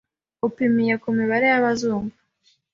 upimiye ku mibare y’abazumva